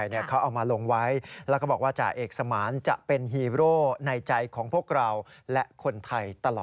ทุกท่านทุกคนในข้างนี้โดยเจ้า